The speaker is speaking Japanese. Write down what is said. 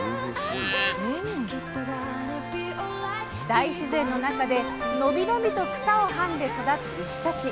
大自然の中で伸び伸びと草をはんで育つ牛たち。